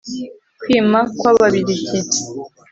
kwima ku bw Ababirigi